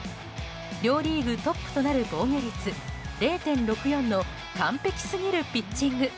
両リーグトップとなる防御率０．６４の完璧すぎるピッチング。